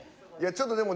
ちょっとでも。